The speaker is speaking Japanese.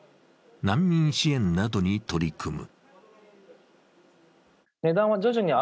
難民支援などに取り組む。